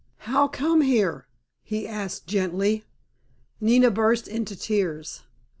"How come here?" he asked gently. Nina burst into tears.